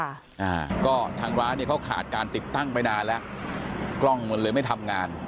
อ่าก็ทางร้านเนี้ยเขาขาดการติดตั้งไปนานแล้วกล้องมันเลยไม่ทำงาน